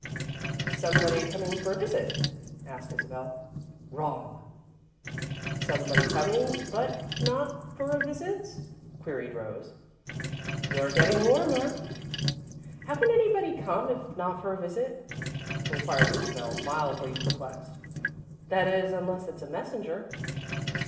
"Somebody coming for a visit?" asked Isabel. "Wrong!" "Somebody coming, but not for a visit?" queried Rose. "You're getting warmer." "How can anybody come, if not for a visit?" inquired Isabel, mildly perplexed. "That is, unless it's a messenger?"